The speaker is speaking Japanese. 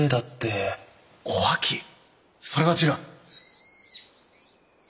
それは違う！